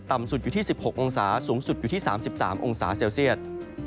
สุดอยู่ที่๑๖องศาสูงสุดอยู่ที่๓๓องศาเซลเซียต